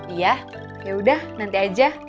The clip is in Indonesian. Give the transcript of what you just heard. iya yaudah nanti aja